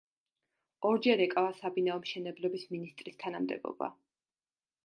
ორჯერ ეკავა საბინაო მშენებლობის მინისტრის თანამდებობა.